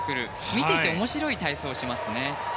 見ていて面白い体操をしますね。